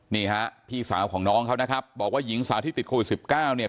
นี่ฮะพี่สาวของน้องเขานะครับบอกว่าหญิงสาวที่ติดโควิด๑๙เนี่ย